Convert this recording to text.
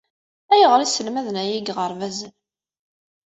Ayɣer i sselmaden aya deg iɣerbazen?